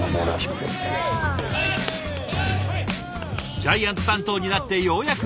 ジャイアンツ担当になってようやく１年。